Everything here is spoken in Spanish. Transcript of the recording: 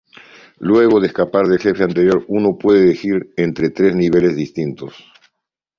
Luego de escapar del jefe anterior uno puede elegir entre tres niveles distintos.